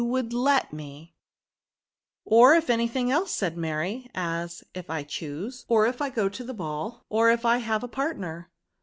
•> dance, ^ 2 3 " Or if any thing else," said Mary; "as, ' K I choose, or if I go to the ball, or if I have a partner.'